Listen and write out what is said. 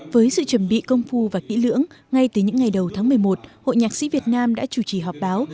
với sự chuẩn bị công phu và kỹ lưỡng ngay từ những ngày đầu tháng một mươi một hội nhạc sĩ việt nam đã chủ trì họp báo